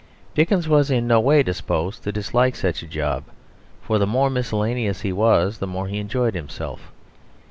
Dickens was in no way disposed to dislike such a job; for the more miscellaneous he was the more he enjoyed himself.